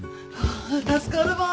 助かるわあ。